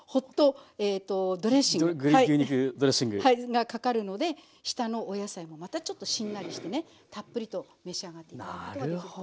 がかかるので下のお野菜もまたちょっとしんなりしてねたっぷりと召し上がって頂くことがなるほど。